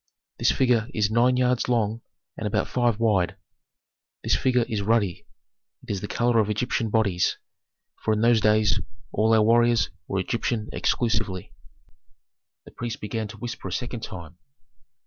This figure is nine yards long and about five wide. This figure is ruddy; it has the color of Egyptian bodies, for in those days all our warriors were Egyptian exclusively." The priests began to whisper a second time.